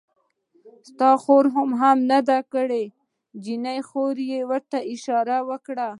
ستا خور هم نه دی کړی؟ د نجلۍ خور ته یې اشاره وکړه.